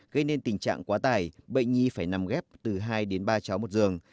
gây nên tình trạng quá tải bệnh nhi phải nằm ghép từ hai đến ba cháu một giường